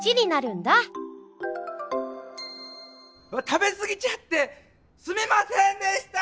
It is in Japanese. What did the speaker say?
食べすぎちゃってすみませんでした！